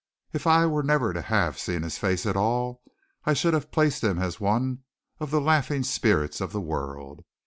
If I were never to have seen his face at all I should have placed him as one of the laughing spirits of the world.